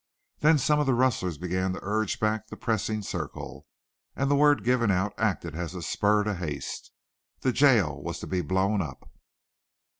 Then some of the rustlers began to urge back the pressing circle, and the word given out acted as a spur to haste. The jail was to be blown up.